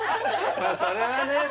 それはね